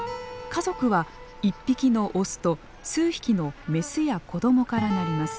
家族は１匹のオスと数匹のメスや子どもから成ります。